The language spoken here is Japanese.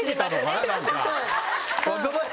なんか。